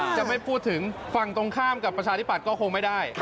จะไม่พูดถึงฝั่งตรงข้ามกับประชาธิปัตย์ก็คงไม่ได้